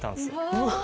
うわ。